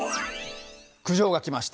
苦情が来ました。